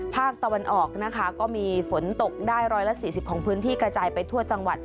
ภาคตะวันออกนะคะก็มีฝนตกได้๑๔๐ของพื้นที่กระจายไปทั่วจังหวัด